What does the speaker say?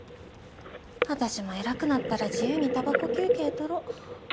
私も偉くなったら自由にたばこ休憩とろう。